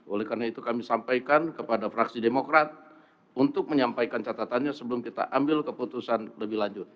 oleh karena itu kami sampaikan kepada fraksi demokrat untuk menyampaikan catatannya sebelum kita ambil keputusan lebih lanjut